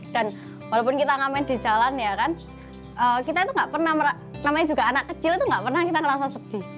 dan walaupun kita ngamen di jalan ya kan kita itu gak pernah namanya juga anak kecil itu gak pernah kita ngerasa sedih